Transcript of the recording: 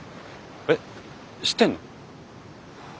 えっ知ってんの？